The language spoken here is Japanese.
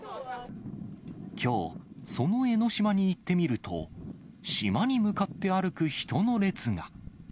きょう、その江の島に行ってみると、島に向かって歩く人の列が。